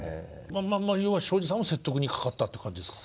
要は昭次さんを説得にかかったって感じですか？